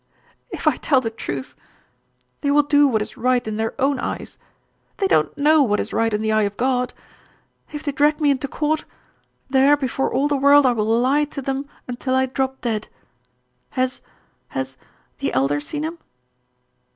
"If I tell the truth, they will do what is right in their own eyes. They don't know what is right in the eye of God. If they drag me into court there before all the world I will lie to them until I drop dead. Has has the Elder seen him?"